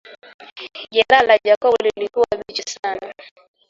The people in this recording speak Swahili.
Jeraha la Jacob lilikuwa bichi sana